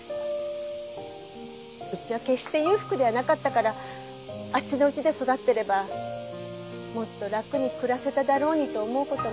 うちは決して裕福ではなかったからあっちの家で育ってればもっと楽に暮らせただろうにと思う事もあって。